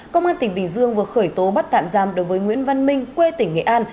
công an tỉnh bình dương vừa khởi tố bắt tạm giam đối với nguyễn văn minh quê tỉnh nghệ an